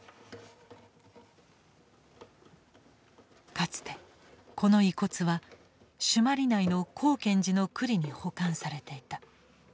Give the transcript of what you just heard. かつてこの遺骨は朱鞠内の光顕寺の庫裏に保管されていた。